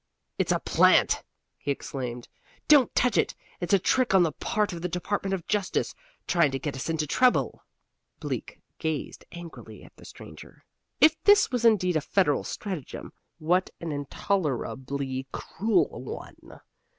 "It's a plant!" he exclaimed. "Don't touch it! It's a trick on the part of the Department of Justice, trying to get us into trouble." Bleak gazed angrily at the stranger. If this was indeed a federal stratagem, what an intolerably cruel one!